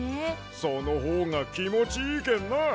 そのほうがきもちいいけんな！